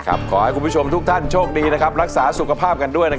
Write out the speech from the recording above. ขอให้คุณผู้ชมทุกท่านโชคดีรักษาสุขภาพกันด้วย